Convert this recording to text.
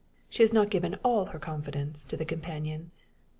She has not given all her confidence to the companion.